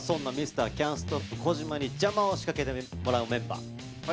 ’ｔｓｔｏｐ小島に邪魔を仕掛けてもらうメンバー。